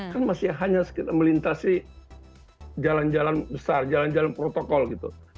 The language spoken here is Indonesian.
kan masih hanya melintasi jalan jalan besar jalan jalan protokol gitu